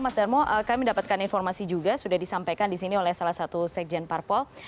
mas darmo kami dapatkan informasi juga sudah disampaikan disini oleh salah satu sekjen parpol